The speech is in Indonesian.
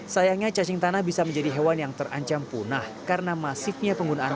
sayangnya cacing tanah bisa menjadi hewan yang terancam punah karena masifnya penggunaan